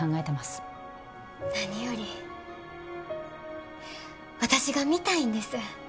何より私が見たいんです。